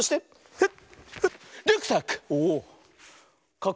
フッ！